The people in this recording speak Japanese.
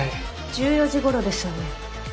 １４時頃ですよね。